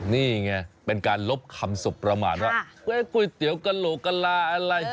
นี่ไงเป็นการลบคำสบประมาณว่าก๋วยเตี๋ยวกระโหลกกะลาอะไร